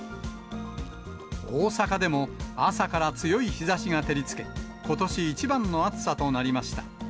大阪でも、朝から強い日ざしが照りつけ、ことし一番の暑さとなりました。